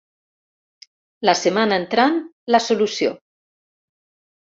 La setmana entrant, la solució.